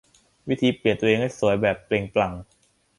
วิธีเปลี่ยนตัวเองให้สวยแบบเปล่งปลั่ง